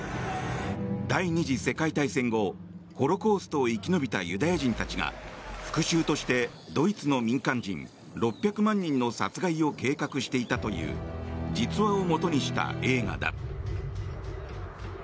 第２次世界大戦後ホロコーストを生き延びたユダヤ人たちが復習としてドイツの民間人６００万人の殺害を計画していたという実話をもとにした映画だ。